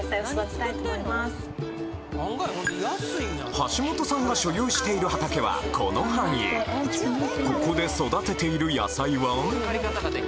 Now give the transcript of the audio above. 橋本さんが所有している畑はこの範囲ここで育てている野菜は？